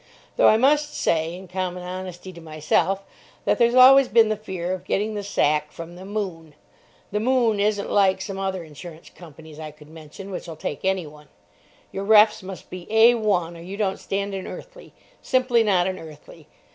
Though I must say, in common honesty to myself, that there's always been the fear of getting the sack from the "Moon." The "Moon" isn't like some other insurance companies I could mention which'll take anyone. Your refs. must be A1, or you don't stand an earthly. Simply not an earthly.